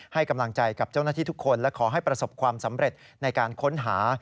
ให้กำลังใจกับเจ้าหน้าที่ทุกคนและขอให้ประสบความสำเร็จในการค้นหา